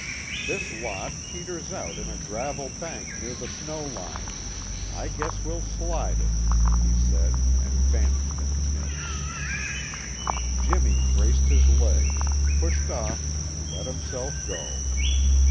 "This lot peters out in a gravel bank near the snow line. I guess we'll slide it," he said and vanished in the mist. Jimmy braced his legs, pushed off and let himself go.